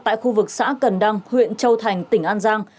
tại khu vực xã cần đăng huyện châu thành tỉnh an giang